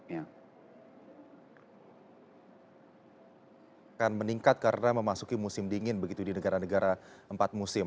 akan meningkat karena memasuki musim dingin begitu di negara negara empat musim